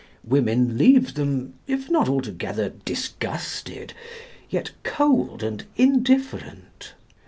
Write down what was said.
Women leave them, if not altogether disgusted, yet cold and indifferent.